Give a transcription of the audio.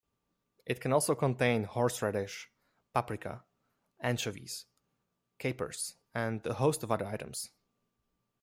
It can also contain horseradish, paprika, anchovies, capers and a host of other items.